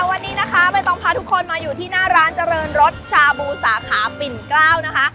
วันนี้นะคะใบตองพาทุกคนมาอยู่ที่หน้าร้านเจริญรสชาบูสาขาปิ่นเกล้านะคะ